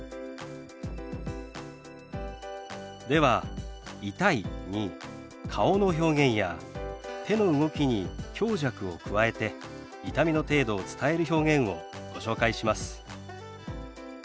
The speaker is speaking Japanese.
では「痛い」に顔の表現や手の動きに強弱を加えて痛みの程度を伝える表現をご紹介します。